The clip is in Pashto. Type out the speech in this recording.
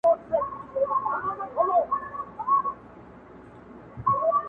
• هغه له فردي وجود څخه پورته يو سمبول ګرځي,